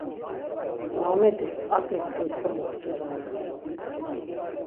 Muamedis p̌at̆i xuy komuxtu doren.